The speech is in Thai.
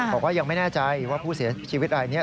บอกว่ายังไม่แน่ใจว่าผู้เสียชีวิตรายนี้